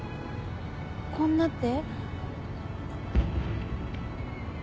「こんな」って？